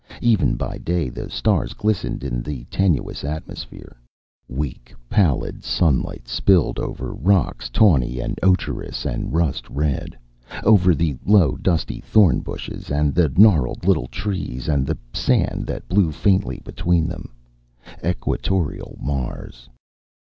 Even by day, the stars glistened in the tenuous atmosphere. Weak pallid sunlight spilled over rocks tawny and ocherous and rust red, over the low dusty thorn bushes and the gnarled little trees and the sand that blew faintly between them. Equatorial Mars!